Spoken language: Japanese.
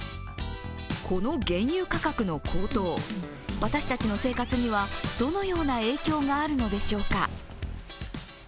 この原油価格の高騰、私たちの生活にはどのような影響があるのでしょうか？